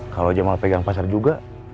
kalau jemaah pegang pasar juga